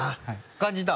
感じた？